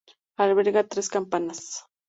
Alberga tres campanas.